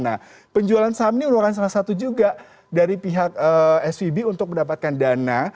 nah penjualan saham ini merupakan salah satu juga dari pihak svb untuk mendapatkan dana